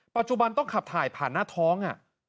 ปัจจุบันต้องขับถ่ายผ่านหน้าท้อง